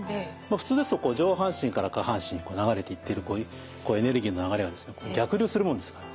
普通ですと上半身から下半身へ流れていっているエネルギーの流れがですね逆流するもんですから。